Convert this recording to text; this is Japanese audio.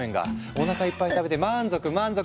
おなかいっぱい食べて満足満足。